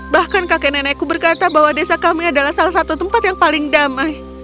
bahkan kakek nenekku berkata bahwa desa kami adalah salah satu tempat yang paling damai